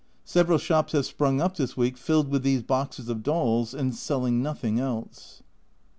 Several shops have sprung up this week filled with these boxes of dolls, and selling nothing else.